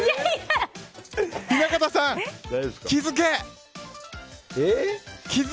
雛形さん、気付け！